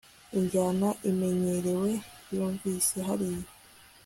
injyana imenyerewe yumvise hariya